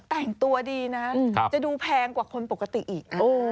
แต่งตัวดีนะจะดูแพงกว่าคนปกติอีก